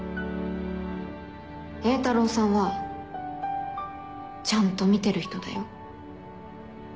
榮太郎さんはちゃんと見てる人だよ。